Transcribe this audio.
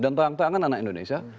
dan tangan tangan anak indonesia